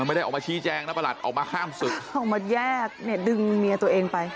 ไม่ได้ออกมาชี้แจงนะประหลัดออกมาห้ามศึกออกมาแยกเนี่ยดึงเมียตัวเองไป